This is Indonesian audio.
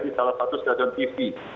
di salah satu stadion tv